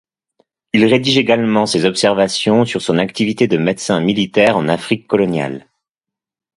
Il rédige également ses observations sur son activité de médecin militaire en Afrique coloniale.